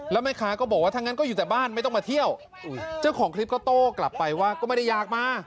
แล้วแม่ค้าก็บอกว่าถ้างั้นก็อยู่แต่บ้านไม่ต้องมาเที่ยวเจ้าของคลิปก็โต้กลับไปว่าก็ไม่ได้อยากมา